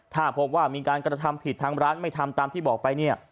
ถ้าพบว่ามีการกระทำผิดทางร้านไม่ทำตามที่บอกไปเนี่ย